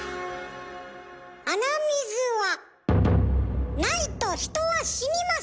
鼻水はないと人は死にます！